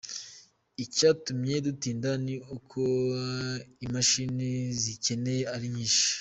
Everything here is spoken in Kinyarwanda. Icyatumye dutinda ni uko imashini zicyenewe ari nyinshi.